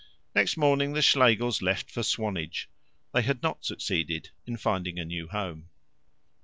Next morning the Schlegels left for Swanage. They had not succeeded in finding a new home.